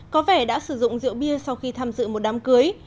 có vẻ đã sử dụng rượu bia sau khi tham dự một đám cưới